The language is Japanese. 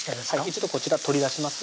一度こちら取り出します